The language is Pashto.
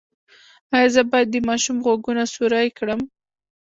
ایا زه باید د ماشوم غوږونه سورۍ کړم؟